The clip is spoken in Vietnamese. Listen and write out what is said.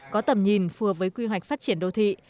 có tầm nhìn phù hợp với quy hoạch phát triển đô thị